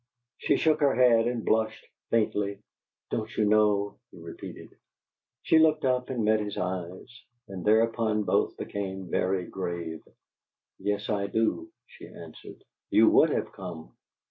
She shook her head and blushed faintly. "Don't you know?" he repeated. She looked up and met his eyes, and thereupon both became very grave. "Yes, I do," she answered. "You would have come.